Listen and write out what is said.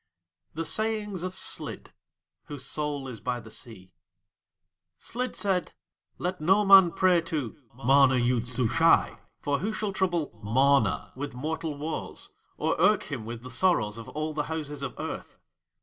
THE SAYINGS OF SLID (Whose Soul is by the Sea) Slid said: "Let no man pray to MANA YOOD SUSHAI, for who shall trouble MANA with mortal woes or irk him with the sorrows of all the houses of Earth?